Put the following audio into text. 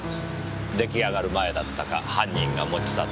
出来上がる前だったか犯人が持ち去ったか。